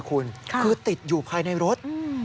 คือติดอยู่ภายในรถ